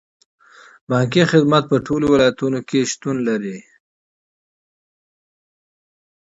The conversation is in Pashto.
بانکي خدمات په ټولو ولایتونو کې شتون لري.